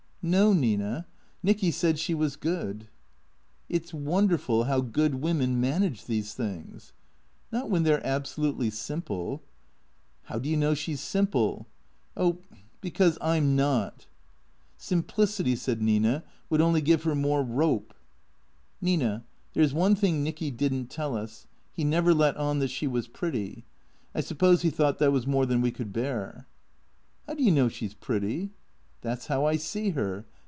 " No, Nina. Nicky said she was good." " It 's wonderful how good women manage these things." " Not when they 're absolutely simple." " How do you know she 's simple ?"" Oh — because I 'm not." " Simplicity," said Nina, " would only give her more rope." " Nina — there 's one thing Nicky did n't tell us. He never let on that she was pretty. I suppose he thought that was more than we could bear." " How do you know she 's pretty ?"" That 's how I see her.